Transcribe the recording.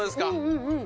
うんうん。